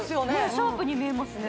シャープに見えますね